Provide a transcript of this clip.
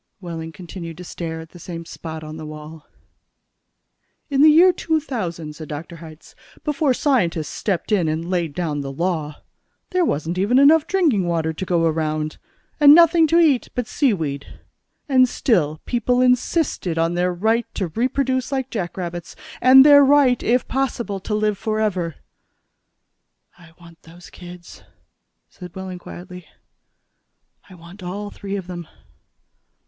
Wehling continued to stare at the same spot on the wall. "In the year 2000," said Dr. Hitz, "before scientists stepped in and laid down the law, there wasn't even enough drinking water to go around, and nothing to eat but sea weed and still people insisted on their right to reproduce like jackrabbits. And their right, if possible, to live forever." "I want those kids," said Wehling quietly. "I want all three of them."